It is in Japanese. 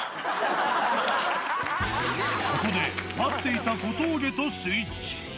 ここで、待っていた小峠とスイッチ。